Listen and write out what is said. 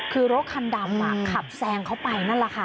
คือรถคันดำขับแซงเขาไปนั่นแหละค่ะ